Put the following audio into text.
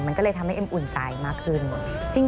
มันก็เลยทำให้เอ็มอุ่นใจมากขึ้นหมด